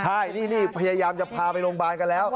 ใช่นี่พยายามจะพาไปโรงพยาบาลกันแล้ว